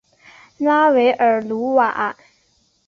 拉韦尔努瓦。